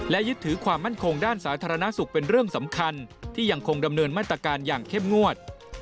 และยึดถือความมั่นคงด้านสาธารณสุขเป็นเรื่องสำคัญที่ยังคงดำเนินมาตรการอย่างเข้มงวด